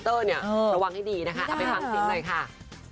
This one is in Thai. ต้องระวังให้ดีนะคะไปฟังตัวหน่อยค่ะ